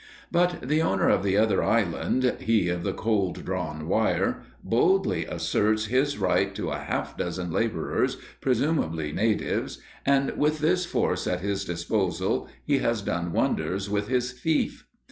But the owner of the other island he of the cold drawn wire boldly asserts his right to a half dozen labourers, presumably natives, and with this force at his disposal he has done wonders with his fief.